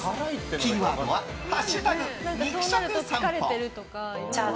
キーワードは「＃肉食さんぽ」。